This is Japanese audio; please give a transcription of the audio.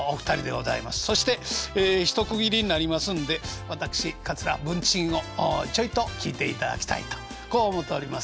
そして一区切りになりますんで私桂文珍をちょいと聴いていただきたいとこう思うとります。